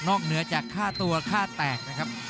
เหนือจากค่าตัวค่าแตกนะครับ